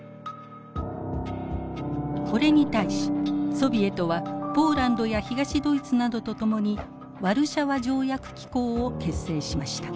これに対しソビエトはポーランドや東ドイツなどと共にワルシャワ条約機構を結成しました。